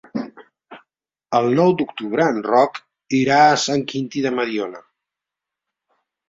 El nou d'octubre en Roc irà a Sant Quintí de Mediona.